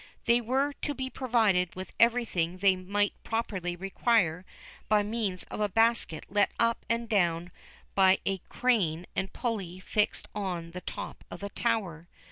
They were to be provided with everything they might properly require by means of a basket let up and down by a crane and pulley fixed on the top of the tower.